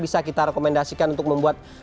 bisa kita rekomendasikan untuk membuat